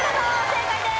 正解です。